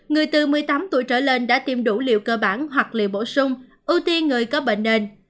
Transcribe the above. người từ một mươi tám tuổi trở lên đã tiêm đủ liệu cơ bản hoặc liệu bổ sung ưu tiên người có bệnh nền